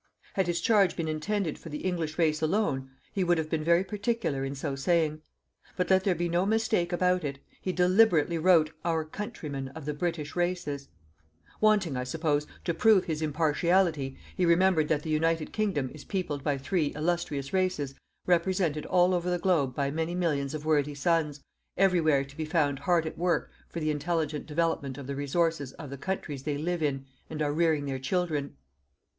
Had his charge been intended for the English race alone, he would have been very particular in so saying. But, let there be no mistake about it, he deliberately wrote our countrymen of the British races. Wanting, I suppose, to prove his impartiality, he remembered that the United Kingdom is peopled by three illustrious races represented all over the globe by many millions of worthy sons, everywhere to be found hard at work for the intelligent development of the resources of the countries they live in and are rearing their children.